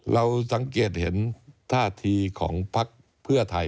เราสังเกตเห็นท่าทีของพักเพื่อไทย